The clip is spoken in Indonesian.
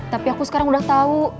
tapi aku sekarang udah tau